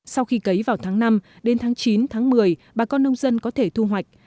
sau khi cấy vào tháng năm đến tháng chín tháng một mươi bà con nông dân có thể thu hoạch